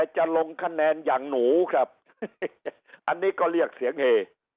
จะลงคะแนนอย่างหนูครับอันนี้ก็เรียกเสียงเฮ